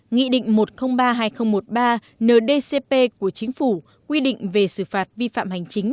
nghị định một trăm linh ba hai nghìn một mươi ba ndcp của chính phủ quy định về xử phạt vi phạm hành chính